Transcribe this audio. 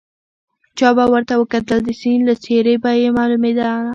چا به ورته وکتل د سید له څېرې به یې معلومېدله.